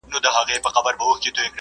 ژوند د تجربو یوه ټولګه ده.